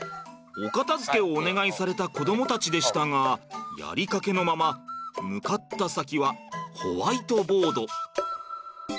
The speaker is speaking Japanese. お片づけをお願いされた子どもたちでしたがやりかけのまま向かった先はホワイトボード。